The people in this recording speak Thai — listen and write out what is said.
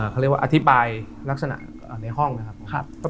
เขาเรียกว่าอธิบายลักษณะในห้องนะครับ